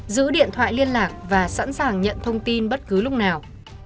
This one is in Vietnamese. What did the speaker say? giữ điện thoại liên lạc và sẵn sàng nhận thông tin bất cứ lúc nào